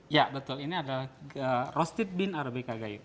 ya betul ini adalah roasted bean arabica gayo